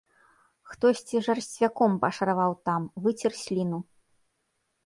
Хтосьці жарсцвяком пашараваў там, выцер сліну.